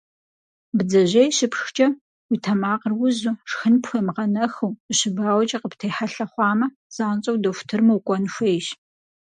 Бдзэжьей щыпшхкӏэ, уи тэмакъыр узу, шхын пхуемыгъэнэхыу, ущыбауэкӏэ къыптехьэлъэ хъуамэ, занщӏэу дохутырым укӏуэн хуейщ.